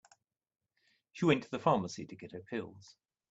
She went to the pharmacy to get her pills.